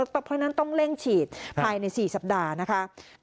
เพราะฉะนั้นต้องเร่งฉีดภายใน๔สัปดาห์นะคะ